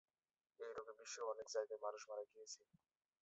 এই রোগে বিশ্বের অনেক জায়গায় মানুষ মারা গিয়েছে।